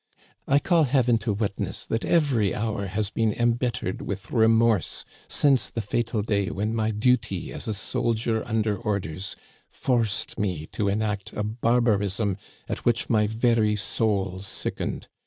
I call Heaven to witness that every hour has been Digitized by VjOOQIC LOCHIEL AND BLANCHE. 23 1 embittered with remorse since the fatal day when my duty as a soldier under orders forced me to enact a bar barism at which my very soul sickened.